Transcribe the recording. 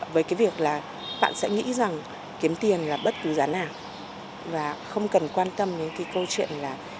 với việc bạn sẽ nghĩ kiếm tiền là bất cứ giá nào và không cần quan tâm những câu chuyện là